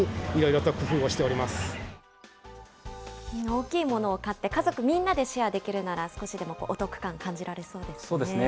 大きいものを買って、家族みんなでシェアできるなら、少しでそうですね。